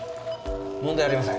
問題ありません。